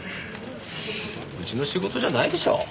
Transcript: うちの仕事じゃないでしょう。